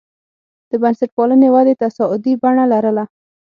د بنسټپالنې ودې تصاعدي بڼه لرله.